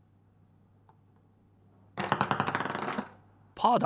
パーだ！